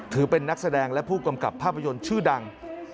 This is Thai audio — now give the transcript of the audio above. ถือเป็นนักแสดงและผู้กำกับภาพยนตร์ชื่อดัง